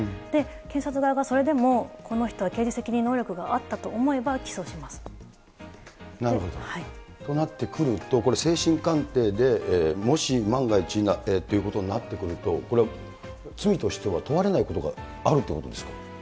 検察側がそれでも、この人は刑事責任能力があったと思えば、なるほど、となってくると、これ、精神鑑定でもし、万が一ということになってくると、これ、罪としては問われないことがあるということですか。